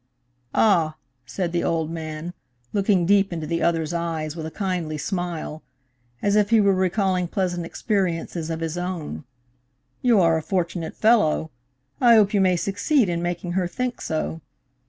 "Ah!" said the old man, looking deep into the other's eyes with a kindly smile, as if he were recalling pleasant experiences of his own. "You are a fortunate fellow. I hope you may succeed in making her think so.